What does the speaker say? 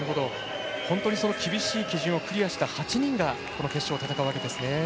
本当に厳しい基準をクリアした８人が決勝を戦うわけですね。